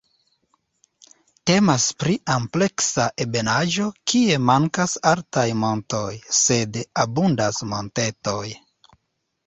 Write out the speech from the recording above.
Temas pri ampleksa ebenaĵo kie mankas altaj montoj, sed abundas montetoj.